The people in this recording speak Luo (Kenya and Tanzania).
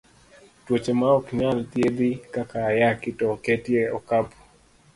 Tuoche ma ok nyal thiedhi kaka ayaki to oketi e okapu.